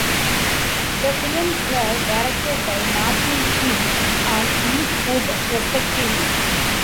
The films were directed by Martin Sheen and Eastwood, respectively.